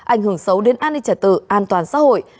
ảnh hưởng xấu đến an ninh trẻ tử an toàn xã hội